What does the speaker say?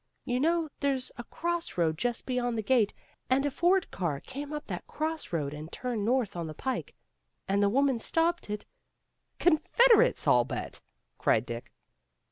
You know there's a cross road just beyond the gate, and a Ford car came up that cross road and turned north on the pike. And the woman stopped it " "Confederates, I'll bet," cried Dick.